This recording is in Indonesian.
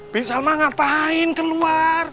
bisalma ngapain keluar